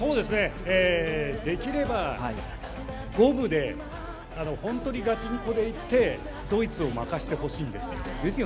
できれば、五分でガチンコでいってドイツを負かしてほしいです。